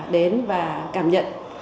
đến và cảm nhận